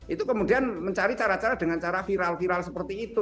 itu kemudian mencari cara cara dengan cara viral viral seperti itu